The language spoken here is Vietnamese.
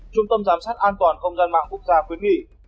trung tâm giám sát an toàn không gian mạng quốc gia khuyến nghị